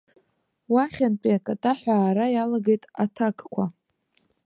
Уахьынтәи акатаҳәа аара иалагеит аҭакқәа.